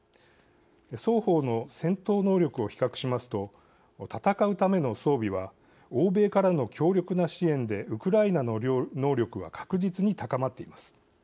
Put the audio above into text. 双方の戦闘能力を比較しますと戦うための装備は欧米からの強力な支援でウクライナの能力は確実に高まっています。